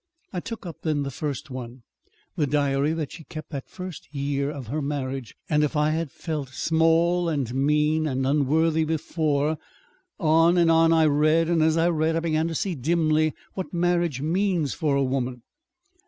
"I took up then the first one the diary she kept that first year of her marriage; and if I had felt small and mean and unworthy before On and on I read; and as I read, I began to see, dimly, what marriage means for a woman.